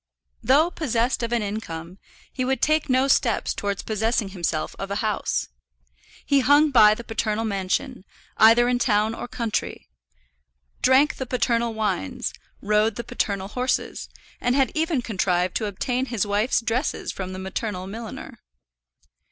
Though possessed of an income, he would take no steps towards possessing himself of a house. He hung by the paternal mansion, either in town or country; drank the paternal wines, rode the paternal horses, and had even contrived to obtain his wife's dresses from the maternal milliner.